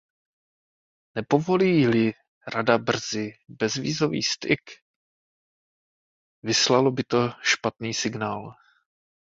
Nepovolí-li Rada brzy bezvízový styk, vyslalo by to špatný signál.